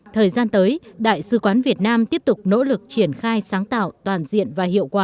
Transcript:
thời gian tới đại sứ quán việt nam tiếp tục nỗ lực triển khai sáng tạo toàn diện và hiệu quả